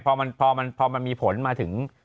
เพราะมันเพราะมันพอมีผลมาถึง